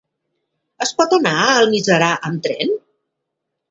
Es pot anar a Almiserà amb tren?